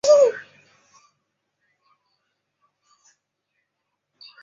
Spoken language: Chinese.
曾在法国国家自然史博物馆担任教授。